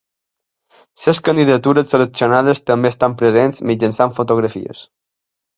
Les candidatures seleccionades també estan presents mitjançant fotografies.